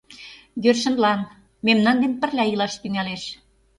Йӧршынлан... мемнан дене пырля илаш тӱҥалеш.